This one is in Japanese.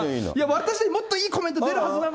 私もっといいコメント出るはずなのに。